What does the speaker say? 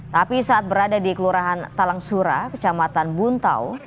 tapi saat berada di kelurahan talangsura kecamatan buntau